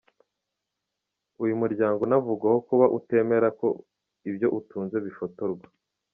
Uyu muryango unavugwaho kuba utemera ko ibyo utunze bifotorwa